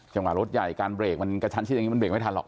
จังหวะรถใหญ่การเรกมันกระชันชิดอย่างนี้มันเรกไม่ทันหรอก